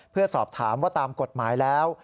เพื่อสอบถามว่าตามกฎหมายแล้ว